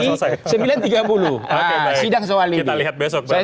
oke baik kita lihat besok berarti ya